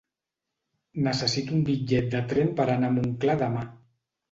Necessito un bitllet de tren per anar a Montclar demà.